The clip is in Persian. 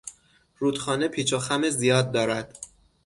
رودخانه پیچ و خم زیاد دارد.